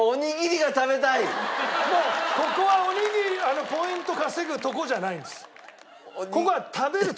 もうここはおにぎりポイント稼ぐとこじゃないんです。